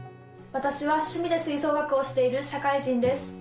私は趣味で吹奏楽をしている社会人です。